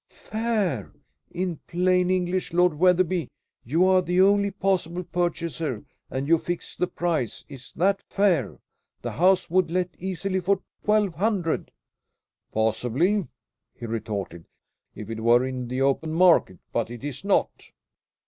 "Fair? In plain English, Lord Wetherby, you are the only possible purchaser, and you fix the price. Is that fair? The house would let easily for twelve hundred." "Possibly," he retorted, "if it were in the open market. But it is not."